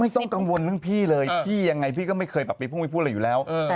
ไม่ต้องกังวลเรื่องพี่เลยพี่เองยังไงพี่ก็เคยไปพูดพูดอะไรอยู่แล้ว